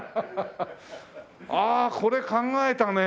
ああこれ考えたね。